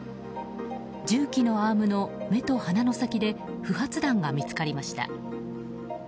重機のアームの目と鼻の先で不発弾が見つかりました。